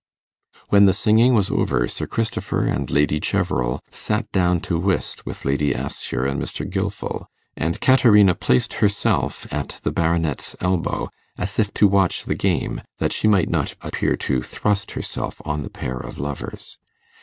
When the singing was over, Sir Christopher and Lady Cheverel sat down to whist with Lady Assher and Mr. Gilfil, and Caterina placed herself at the Baronet's elbow, as if to watch the game, that she might not appear to thrust herself on the pair of lovers.